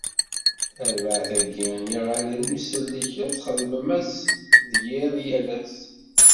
Tarbaεt-agi n yiɣallen n usellek, ad txeddem ass d yiḍ, yal ass.